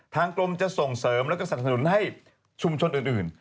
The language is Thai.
ทางกรมจะส่งเสริมแล้วก็สนับสนุนให้ชุมชนอื่น